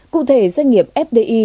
cụ thể doanh nghiệp fdi